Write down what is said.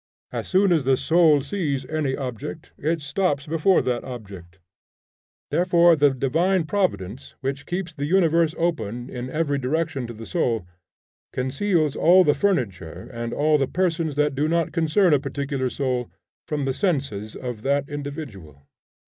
As soon as the soul sees any object, it stops before that object. Therefore, the divine Providence which keeps the universe open in every direction to the soul, conceals all the furniture and all the persons that do not concern a particular soul, from the senses of that individual.